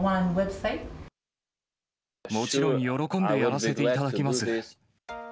もちろん喜んでやらせていただきます。